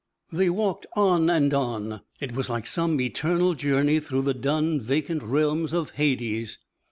They walked on and on. It was like some eternal journey through the dun, vacant realms of Hades.